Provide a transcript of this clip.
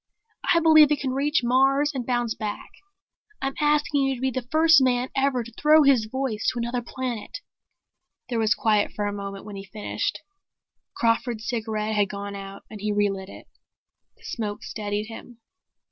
"I believe it can reach Mars and bounce back. I'm asking you to be the first man ever to throw his voice to another planet." There was quiet for a moment when he finished. Crawford's cigarette had gone out and he relit it. The smoke steadied him.